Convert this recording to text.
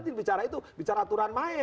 bicara itu bicara aturan main